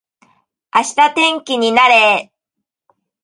明日天気になれー